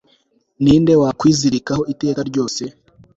Ninde wakwizirikaho iteka ryose